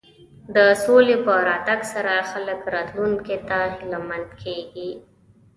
د سولې په راتګ سره خلک راتلونکي ته هیله مند کېږي.